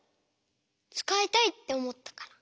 つかいたいっておもったから。